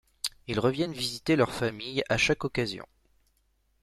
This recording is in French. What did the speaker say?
Ils reviennent visiter leurs familles à chaque occasion.